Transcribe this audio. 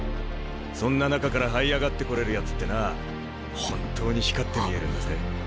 そんな中からはい上がってこれるやつってな本当に光って見えるんだぜ。